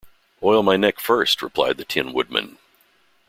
"Oil my neck, first," replied the Tin Woodman.